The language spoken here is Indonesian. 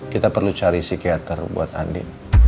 kita perlu cari psikiater buat andi